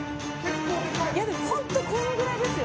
本当このぐらいですよ！